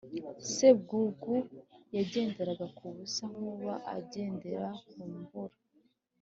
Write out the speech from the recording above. Sebwugugu yagenderaga ku busa Nkuba akagendera ku mvura